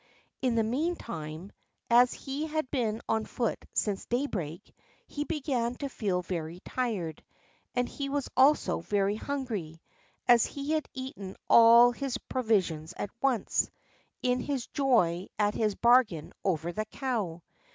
In the mean time, as he had been on foot since daybreak, he began to feel very tired, and he was also very hungry, as he had eaten all his provisions at once, in his joy at his bargain over the cow.